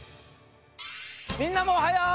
みんなもおはよう！